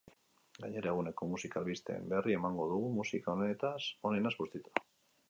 Gainera, eguneko musika albisteen berri emango dugu, musika onenaz bustita.